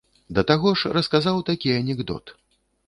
Да таго ж расказаў такі анекдот.